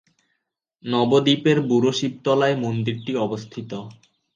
নবদ্বীপের বুড়োশিবতলায় মন্দিরটি অবস্থিত।